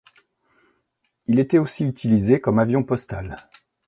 Il était aussi utilisé comme avion postal.